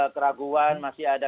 keraguan masih ada